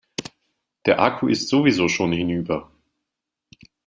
Der Akku ist sowieso schon hinüber.